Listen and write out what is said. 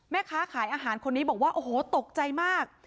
แม่ค้าขายอาหารคนนี้บอกว่าโอ้โหตกใจมาก